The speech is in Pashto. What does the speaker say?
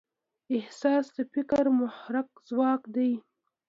احساس د فکر محرک ځواک دی.